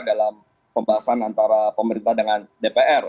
dalam pembahasan antara pemerintah dengan dpr